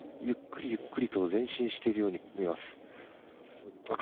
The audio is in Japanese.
ゆっくりゆっくりと前進しているように見えます。